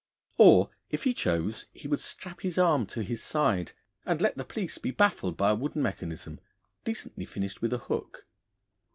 Or, if he chose, he would strap his arm to his side, and let the police be baffled by a wooden mechanism, decently finished with a hook.